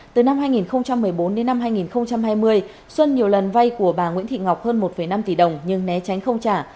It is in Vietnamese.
từ năm hai nghìn một mươi bốn đến năm hai nghìn hai mươi xuân nhiều lần vay của bà nguyễn thị ngọc hơn một năm tỷ đồng nhưng né tránh không trả